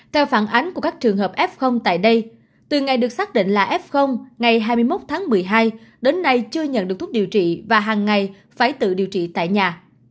theo phản ánh của các trường hợp f tại đây từ ngày được xác định là f ngày hai mươi một tháng một mươi hai đến nay chưa nhận được thuốc điều trị và hàng ngày phải tự điều trị tại nhà